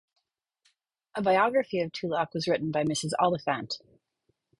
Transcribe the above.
A biography of Tulloch was written by Mrs Oliphant.